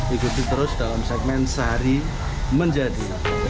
ikuti terus dalam segmen sehari menjadi